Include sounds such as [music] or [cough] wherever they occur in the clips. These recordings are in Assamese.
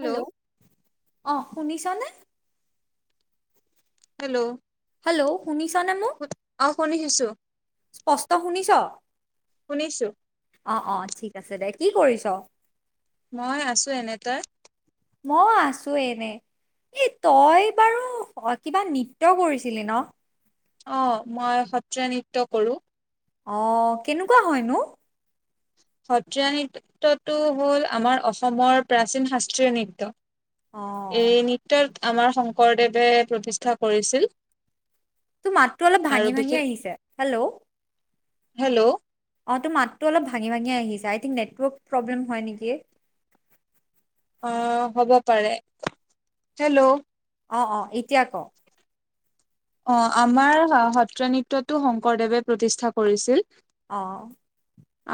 হেল্ল' অহ শুনিছানে? হেল্ল' হেল্ল' শুনিছা নে মোক? অ শুনিছো স্পষ্ট শুনিছ? শুনিছো অ অ ঠিক আছে দে। কি কৰিছ? মই আছো এনে, তই? মই আছো এনে। এ তই বাৰু কিবা নৃত্য কৰিছিলি ন? অ মই সত্ৰীয়া নৃত্য কৰো। অ কেনেকুৱা হয়নো? সত্ৰীয়া নৃত্যটো হল আমাৰ অসমৰ প্ৰাচীন শাস্ত্ৰীয় অ নৃত্য। এই নৃত্যত আমাৰ শংকৰদেৱে প্ৰতিষ্ঠা কৰিছিল। তোৰ মাতটো অলপ আৰু ভাঙি ভাঙি বিশেষ আহিছে হেল্ল। ' হেল্ল' অ টো মাতটো অলপ ভাঙি ভাঙি আহিছে আই থিংক নেটৰ্ক প্ৰব্লেম হয় নেকি? অ হ'ব পাৰে হেল্ল' অ অ এতিয়া ক। অ আমাৰ সত্ৰীয়া নৃত্যটো শংকৰদেৱে প্ৰতিষ্ঠা কৰিছিল। অহ।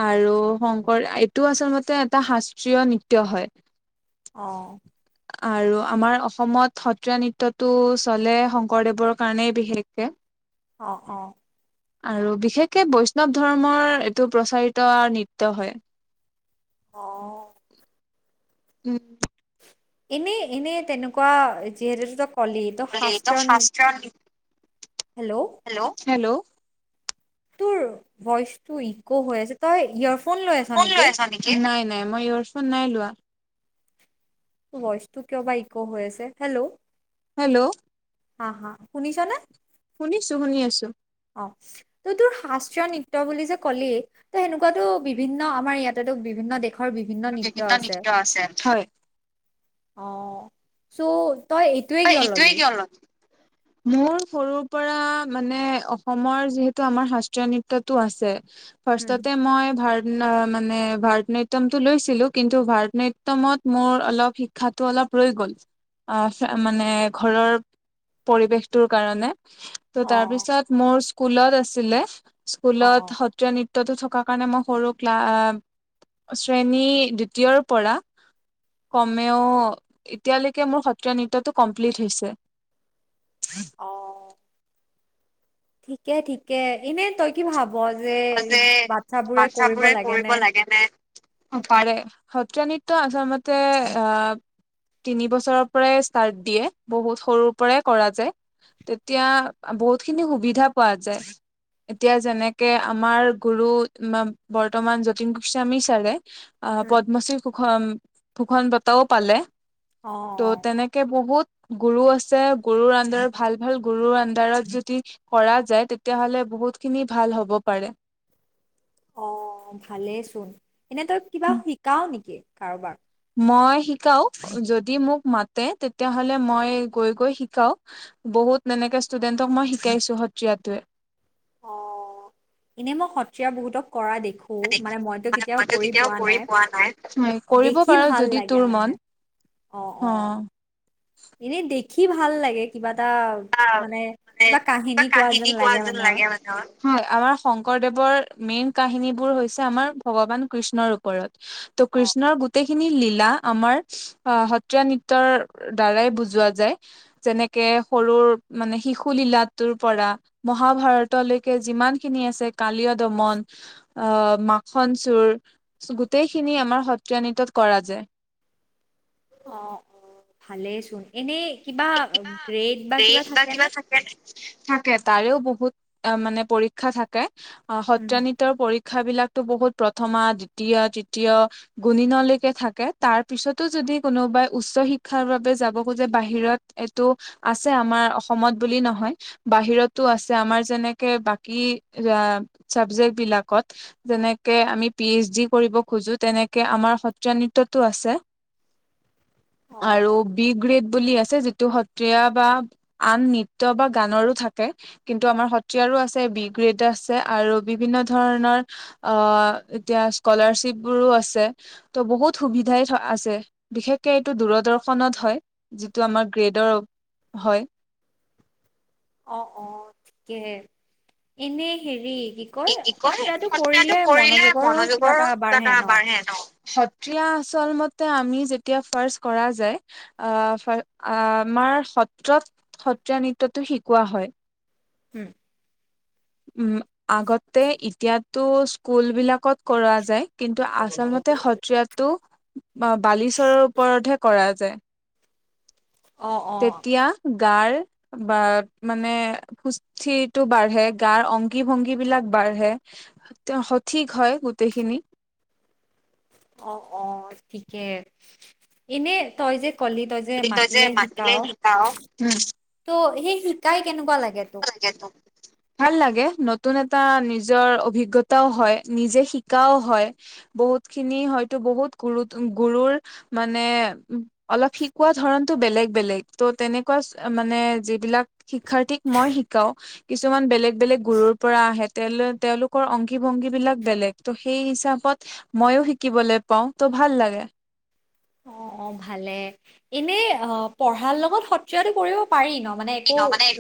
আৰু শংকৰ এইটো আচলতে এটা শাস্ত্ৰীয় নৃত্য হয়। অহ আৰু আমাৰ অসমত সত্ৰীয়া নৃত্যটো চলে শংকৰদেৱৰ কাৰনে বিশেষকে। অ অ আৰু বিশেষকে বৈষ্ণৱ ধৰ্মৰ এইটো প্ৰচাৰিত নৃত্য হয়। অ উম এনেই এনে তেনেকুৱা যিহেতু তই কলি ত এইটো শাস্ত্ৰ হেল্ল' হেল্ল' হেল্ল' তোৰ ভইচটো ইকো হৈ আছে তই ইয়ৰ ফোন লৈ আছনেকি, নাই নাই মই ইয়ৰফোন নাই লোৱা। ভইচটো কিয় বা ইকো হৈ আছে হেল্ল'। হেল্ল' হা হা শুনিছনে? শুনিছো শুনি আছো। অ ত তোৰ শ নৃত্য বুলি যে কলি সেনেকুৱাতো বিভিন্ন আমাৰ ইয়াতেতো বিভিন্ন দেশ বিভিন্ন নৃত্য আছে অ চ' তই এইটোৱে কিয় ল'লি। মোৰ সৰুৰ পৰা মানে অসমৰ যিহেতু আমাৰ শাস্ত্ৰীয় নৃত্যতটো আছে। উম ফাৰ্ষ্টতে মই ভাৰ মানে ভাৰতনাট্যমটো লৈছিলো কিন্তু ভাৰত নাট্যমত মোৰ অলপ শিক্ষাটো অলপ ৰৈ গ'ল মানে ঘৰৰ পৰিৱেশটোৰ কাৰণে ত অ তাৰপিছত মোৰ স্কুলত আছিলে অ স্কুলত অ সত্ৰীয়া নৃত্য থকা কাৰণে মই সৰু ক্লা- শ্ৰেণী দ্বিতীয়ৰ পৰা কমেও এতিয়ালৈকে মোৰ সত ন নৃত্যয়টো কমপ্লিট হৈছে অ ঠিকে ঠিকে এনে তই কি ভাব হব যে বাচ্ছাবোৰে কৰিব লাগে ন পাৰে সত্ৰীয়া নৃত্য আচলতে আ তিনি বছৰৰ পৰাই ষ্টাৰ্ট দিয়ে বহুত সৰুৰ পৰাই কৰা যায় তেতিয়া বহুত খিনি সুবিধা পোৱা যায় এতিয়া যেনেক আমাৰ গুৰু বৰ্তমান যতীন গোস্বামী ছাৰে আহ উম, পদ্মশ্ৰী ভূষণ ভূষণ বঁটাও পালে অ ত' তেনেকে বহুত গুৰু আছে গুৰুৰ আনডাৰত ভাল ভাল গুৰুৰ আনডাৰত যদি কৰা যায় তেতিয়াাহ'লে বহুতখিনি ভাল হ'ব পাৰে অ ভালেই চোন এনে তই কিবা শিকাও নেকি কাৰোবাক মই শিকাও যদি মোক মাতে তেতিয়াাহলে মই গৈ গৈ শিকাও বহুত তেনেকে ষ্টুডেণ্টক মই শিকাইছো সত্ৰীয়াটোৱে অ এনে মই সত্ৰীয়া বহুতক কৰা দেখো মানে মইতো কেতিয়াও কৰি পোৱা নাই হয় কৰিব দেখি পাৰ ভাল যদি লাগে তোৰ মন মানে অ অ এনেই দেখি ভাল লাগে কিবা এটা মানে কিবা কাহিনী কোৱা যেন লাগে মানুহ আমাৰ শংকৰদেৱ মেইন কাহিনীবোৰ হৈছে আমাৰ ভগৱান কৃষ্ণৰ ওপৰত ত অ কৃষ্ণৰ গোটেই খিনি লীলা আমাৰ সত্ৰীয়া নৃত্যৰ দ্বাৰাই বুজোৱা যায় যেনেকে সৰুৰ মানে শিশু লীলাটোৰ পৰা মহাভাৰতলৈকে যিমান খিনি আছে কালিয় দমন আ মাখন চোৰ গোটেইখিনি আমাৰ সত্ৰীয়া নৃত্যত কৰা যায় অ অ ভালেই চোন এনেই কিবা গ্ৰেড বা কিবা থাকে ন থাকে তাৰেও বহুত অ মানে পৰীক্ষা থাকে অ হুম, সত্ৰ হুম। নতৰ পৰ শিক্ষাবিলাকো বহুত প্ৰথমা দ্বিতীয় তৃতীয়া গুণিনলৈকে থাকে তাৰ পিছতো যদি যদি কোনোবাই উচ্চ শিক্ষাৰ বাবে যাব খোজে বাহিৰত এইটো আছে আমাৰ অসমত বুলি নহয় বাহিৰতো আছে আমাৰ যেনেকে বাকী চাবজেক্ট বিলাকত যেনেকে আমি পি এইচ ডি কৰিব খোজো তেনেকে আমাৰ সত্ৰীয়া নৃত্যতো আছে [unintelligible] অ আৰু বিগ্ৰেড বুলি আছে যিটো টো সত্ৰীয়া বা আন নৃত্য বা গানৰো থাকে কিন্তু আমাৰ সত্ৰীয়াৰো আছে বিগু গ্ৰেড আছে আৰু বিভিন্ন ধৰণৰ এতিয়া স্কলাৰশিপবোৰো আছে ত' বহুত সুবিধাই আছে বিশেষকে এইটো দূৰদৰ্শনত হয় যিটো আমাৰ গ্ৰেডৰ হয় অ' অ' ঠিকে এনে হেৰি কয় সতাটো কৰিলে মনোযোগৰো কিবা এটা আ বাঢ়ে ন আমি যেতিয়া ফ কৰা আমাৰ সত্ৰত সত্ৰীয়া নৃত্যটো শিকোৱা হয় উম। উম আগতে এতিয়াতো স্কুল বিলাকত কৰা যায় কিন্তু আচলমতে সত্ৰীয়াটো বালিচৰৰ ওপৰতহে কৰা যায় অ অ তেতিয়া গাৰ বা মানে সুস্থিৰটো বাঢ়ে গাৰ অংগী ভংগী বিলাক বা বাঢ়ে। তেওঁ সঠিক হয় গোটেইখিনি অ অ ঠিকে এনে তই যে কলি তই যে মাতিলে শিকাও ত সেই শিকাই কেনেকুৱা লাগে? তোক [inaudible] ভাল লাগে নতুন এটা নিজৰ অভিজ্ঞতাও হয় নিজে শিকাও হয় বুত খিন হয় বহু গুৰুৰ মানে অলপ শিকোৱা ধৰণ বেলেগ বেলেগ ত' তেনেকুৱা মানে যিবিলাক শিক্ষাৰ্থীক মই শিকাও কিছুমান বেলেগ বেলেগ গুৰুৰ পৰা আহে তে তেওঁলোকৰ অংশী ভংগী বিলাক বেলেগ ত সেই হিচাপত মইও শিকিবলৈ পাও ত' ভাল লাগে। অ অ ভালে এনে অ পঢ়াৰ লগত সত্ৰীয়াটো কৰিব পাৰি ন? মানে একো মানে এক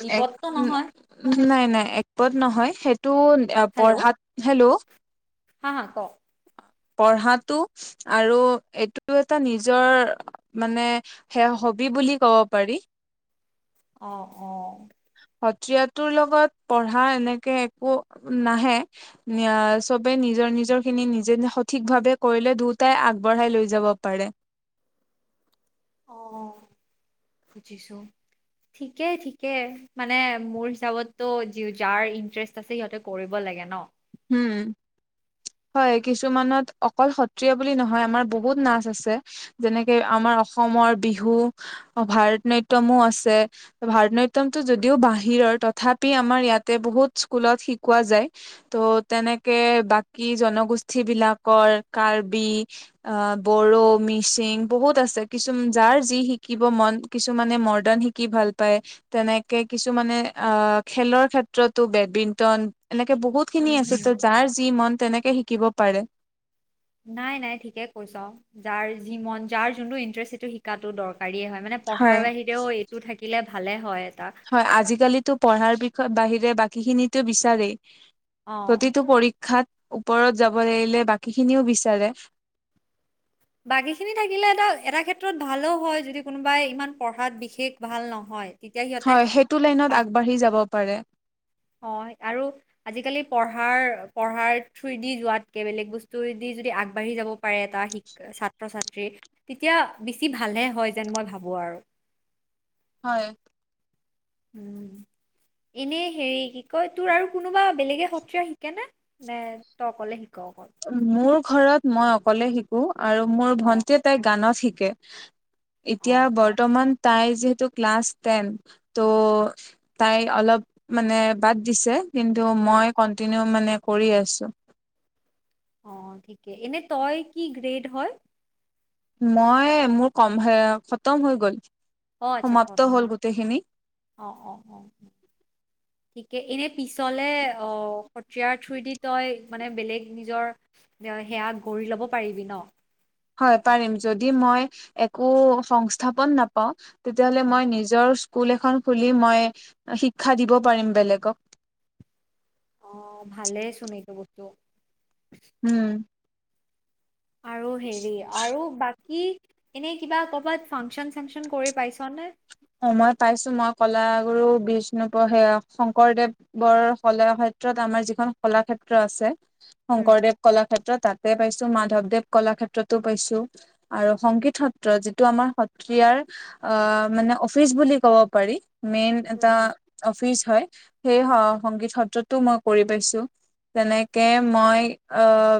বিপদটো নহয় উ নাই নাই একপত নহয় সেইটো হেল্ল' পঢ়াত হেল্ল হা হ ক পঢ়াটো আৰু এইটো এটা নিজৰ মানে সে হবি বুলি ক'ব পাৰি। Of of. সত্ৰীয়াটোৰ লগত পঢ়া এনেকে একো নাহে সবে নিজৰ নিজৰ খিনি নিজে সঠিকভাৱে কৰিলে দুয়টাই আগবঢ়াই লৈ যাব পাৰে। অৱ, বুজিছো। থিকেই ঠিকে মানে মোৰ হিচাপতো যাৰ ইন্টাৰেষ্ট আছে সিহঁতে কৰিব লাগে লাগে ন। হম। হয় কিছুমানত অকল সত্ৰীয়া বুলি নহয় আমাৰ বহুত নাচ আছে যেনেকে আমাৰ আমাৰ অসমৰ বিহু ভাৰত নট্যমো আছে ভাৰত নট্যমো টো যদিও বাহিৰ বাহিৰৰ তথাপি আমাৰ ইয়াতে বহুত স্কুলত শিকোৱা যায়। ত' তেনেকে বাকী জনগোষ্ঠী বিলাকৰ কাৰ্বি বৰ বড়ো, মিচিং বহুত আছে কিছু যাৰ যি শিকিব মন কিছুমানে মডাৰ্ণ শিকি ভাল পায়। তেনেকে কিছু মানে অ খেলৰ ক্ষেত্ৰতো বেডমিন্টন এনেকে ব বহুত খিনি উম আছে হুম ত' যাৰ যি মন তেনেকে শিকিব পাৰে। নাই নাই ঠিকে কৈছ যাৰ যি মন যাৰ যোনটো ইন্টেৰেষ্ট সেইটো শিকাটো দৰকাৰ দৰকাৰী এই হয়। মানে পঢ়াৰ হয় বাহিৰেও এইটো থাকিলে ভালে হয়। এটা হয় আজিকালিতো পঢ়াৰ বিষয়ে বাহিৰে বাকী খিনিতো বিচাৰেই অ', প্ৰতিটো পৰীক্ষাত ওপৰত যাব লাগিলে বাকী খিনিও বিচাৰে বাকীখিনি থাকিলেটো এটা ক্ষেত্ৰত ভালো হয় যদি কোনোবাই ইমান পঢ়াত বিশেষ ভাল নহয়। তেতিয়া সিহঁতে হয় সেইটো লাইনত তাক আগবাঢ়ি যাব পাৰে। হয় আৰু আজিকালি পঢ়াৰ পঢ়াৰ থ্ৰুদি যোৱাতকে বেলেগ বস্তুদি যদি আগবাঢ়ি যাব পাৰে এটা শিক ছাত্ৰ ছাত্ৰ্ৰী তেতিয়া বেছি ভালহে হয় যেন মই ভাবো। [unintelligible] হয়। উম, এনে হেৰি কি কয় তোৰ আৰু কোনোবা বেলেগে সত্ৰিয় শিকে নে -নে তই অকলে শিক? অকল মোৰ ঘৰত মই অকলে শিকো আৰু মোৰ অ', ভন্টিয়ে তাই গানত শিক কে এতিয়া অ', অ', বৰ্তমান তাই যিহেতু ক্লাছ টেন ত' তাই অলপ মানে বাদ দিছে। কিন্তু উম, মই কণ্টিনিউ মানে কৰি আছোঁ। অ, ঠিকে এনে তই কি গ্ৰেড হয়? মই মোৰ কম হে খতম হৈ গ'ল। অ, আচ্ছা সমাপ্ত হ'ল [unintelligible] গোটেইখিনি অ', অ', অ', ঠিকে এনে পিছলে অ, সত্ৰিয়াৰ থুৰইদি তই মানে বেলেগ নিজৰ সেয়া গ কৰি ল'ব পাৰিবি ন'? হয় পাৰিম যদি মই একো সংস্থাপন নাপাওঁ তেতিয়াহ'লে অ মই নিজৰচ স্কুল এখন খুলি মই শিক্ষা দিব পাৰিম বেলেগক। অ, ভালেই চোন এইটো বস্তু। উম, আৰু হেৰি আৰু বাক কি এনে কিবা কৰবাত ফাংচন-চাংচন কৰি পাইছ নে? অ, মই পাইছো মই কলাগুৰু বিষ্ণুপ সেয়া শংকৰদেৱ বৰ সলা ক্ষেত্ৰত আমাৰ যিখন কলাক্ষেত্ৰ আছে উম শংকৰদেৱ কলাক্ষেত্ৰ তাত তাতে পাইছো মাধৱ দেৱ কলাক্ষেত্ৰতো পাইছো আৰু সংগীত সত্ৰ যিটো আমাৰ সত্ৰিয়াৰ অ মানে অফিচ বুলি ক'ব পাৰি মেন হুম এটা হুম অফিচ হয়। সেই সংগীত সত্ৰতো মই কৰি পাইছো। তেনেকে মই আহ।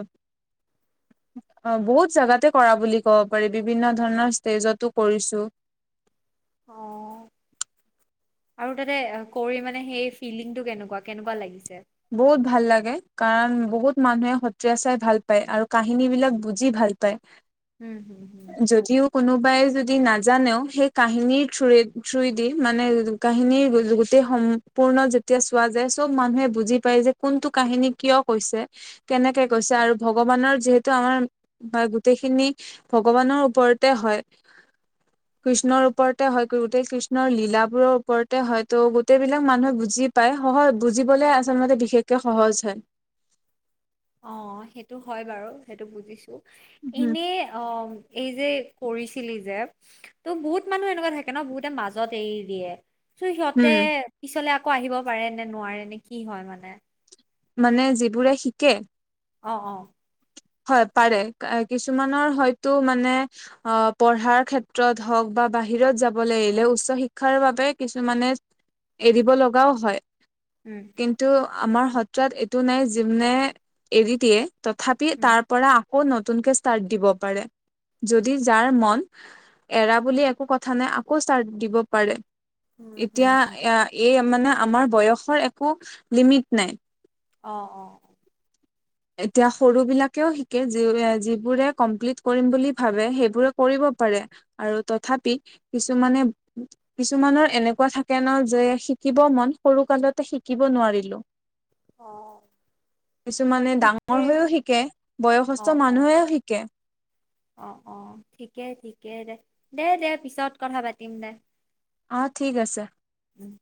অ', বহুত জাগাতে কৰা বুলি ক'ব পাৰি বিভিন্ন ধৰণৰ ষ্টেজতো কৰিছো। অ'। আৰু তাতে কৰি মানে সেই ফিলিং টো কেনেকুৱা কেনেকুৱা লাগিছে? বহুত ভাল লাগে। কাৰণ বহুত মানুহে সত্ৰীয়া চাই ভাল পায় আৰু কাহিনী বিলাক বুজি ভাল পায়। উম, হম-হম। যদিও কোনোবাই যদি নাজানেও সেই কাহিনীৰ থ্ৰুৱে থ্ৰেদি মানে কাহিনীৰ সম্পূৰ্ণ যেতিয়া চোৱা যায় চব মানুহে বুজি পাই যে কোনটো কাহিনী কিয় কৈছে কেনেকে কৈছে আৰু ভগৱানৰ যিহেতু আমাৰ হয় গোটেইখিনি ভগৱানৰ ওপৰতে হয়। কৃষ্ণৰ ওপৰতে হয় গোটেই কৃষ্ণৰ লীলাবোৰৰ ওপৰতে হয় ত গোটবিলাক মানুহে বুজি বুজি পায় সহজ বুজিবলে আচলতে বিশেষকে সহজ হয়। অ', সেটো হয় বাৰু সেইটো বুজিছো এনে অ', এই যে কৰিছিলি যে ত' বহুত মানুহ এনেকুৱা থাকে ন বহুতে মাজত এৰি দিয়ে [unintelligible] সিহঁতে উম পিছলে আকৌ আহিব পাৰে নে নোৱাৰে নে কি হয় মানে? মানে যিবোৰে শিকে? অ', অ'। হয় পাৰে কিছুমানৰ হয়তো মানে অ', পঢ়াৰৰ ক্ষেত্ৰত হওক বা বা বাহিৰত যাবলৈ এৰিলে উচ্চ শিক্ষাৰ বাবে কিছুমানে এৰিব লগাও হয়। উম কিন্তু আমাৰ সত্ৰাত এইটো নাই যোনে এৰি দিয়ে তথাপি উম তাৰ পৰা আকৌ নতুনকে ষ্টাৰ্ট দিব পাৰে। যদি যাৰ মন এৰা বুলি একো কথা নাই আকৌ ষ্টাৰত দিব পাৰে। উম উম এতিয়া উম এই মানে আমাৰ বয়সৰ একো লিমিট নাই। অ', অ'। এতিয়া সৰু বিলাকেও শিকে যিবোৰে কমপ্লিট কৰিম বুলি ভাবে সেইবোৰে কৰিব আৰু তথাপি কিছুমানে কিছুমানৰ এনেকুৱা থাকে ন যে শিকিব মন সৰু কালতে শিকিব নোৱাৰিলো কিছুমানে অ'। ডাঙৰ ঠিকে হৈও শিকে অ বয়সস্থ অ মানুহেও শিকে। অ', অ' ঠিকে ঠিকে দে, দে, দে পিছত কথা পাতিম দে। অ', ঠিক আছে। উম।